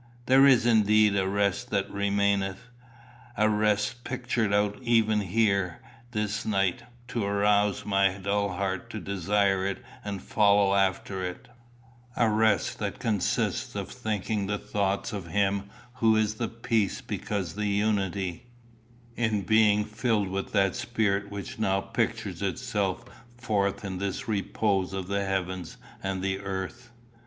There is indeed a rest that remaineth, a rest pictured out even here this night, to rouse my dull heart to desire it and follow after it, a rest that consists in thinking the thoughts of Him who is the Peace because the Unity, in being filled with that spirit which now pictures itself forth in this repose of the heavens and the earth."